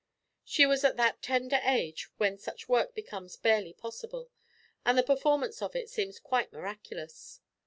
She was at that tender age when such work becomes barely possible, and the performance of it seems quite miraculous!